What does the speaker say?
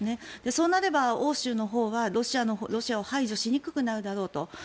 そうなれば欧州のほうはロシアを排除しにくくなるだろうと。